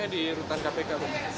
di rutan kpk